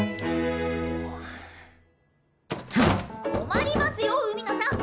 困りますよ海野さん。